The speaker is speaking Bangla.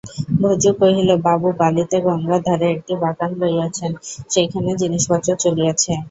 ভজু কহিল, বাবু বালিতে গঙ্গার ধারে একটি বাগান লইয়াছেন, সেইখানে জিনিসপত্র চলিয়াছে।